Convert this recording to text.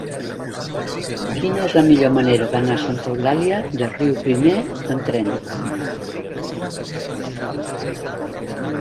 Quina és la millor manera d'anar a Santa Eulàlia de Riuprimer amb tren?